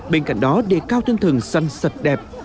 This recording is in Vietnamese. bên cạnh đó đề cao tinh thần xanh sạch đẹp